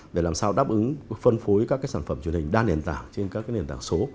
để làm sao đáp ứng phân phối các sản phẩm truyền hình đa nền tảng trên các nền tảng số